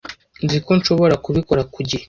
Nzi ko nshobora kubikora ku gihe.